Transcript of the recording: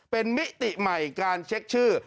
เป็นมิติใหม่การเช็คชื่อ